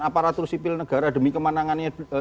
aparatur sipil negara demi kemenangannya